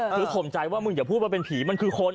คือข่มใจว่ามึงอย่าพูดว่าเป็นผีมันคือคน